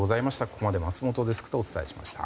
ここまで松本デスクとお伝えしました。